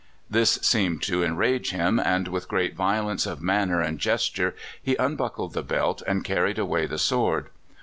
This seemed to enrage him, and with great violence of manner and gesture he unbuckled the belt and carried away the sword.